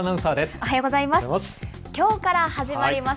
おはようございます。